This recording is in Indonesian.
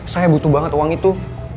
saya butuh banget uang itu